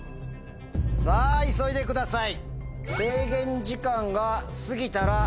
さぁ急いでください。